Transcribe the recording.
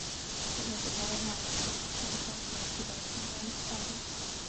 这次比赛让她踏上属于自己的星光道路。